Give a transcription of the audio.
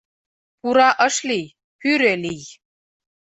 Пура ыш лий, пӱрӧ лий.